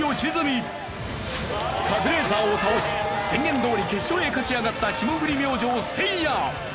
カズレーザーを倒し宣言どおり決勝へ勝ち上がった霜降り明星せいや。